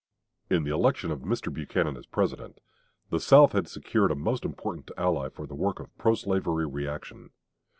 In the election of Mr. Buchanan as President the South had secured a most important ally for the work of pro slavery reaction.